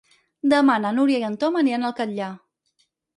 Demà na Núria i en Tom aniran al Catllar.